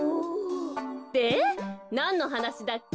でなんのはなしだっけ？